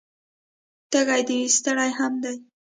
تږی دی او ستړی هم دی